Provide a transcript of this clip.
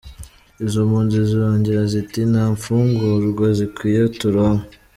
Izo mpunzi zirongera ziti, "nta mfungurwa zikwiye turonka.